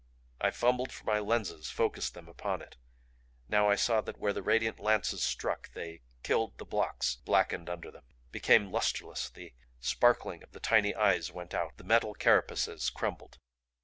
I fumbled for my lenses, focussed them upon it. Now I saw that where the radiant lances struck they killed the blocks blackened under them, became lustreless; the sparkling of the tiny eyes went out; the metal carapaces crumbled.